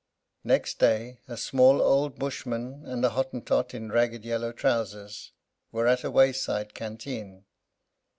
Next day, a small old Bushman, and a Hottentot, in ragged yellow trousers, were at a wayside canteen.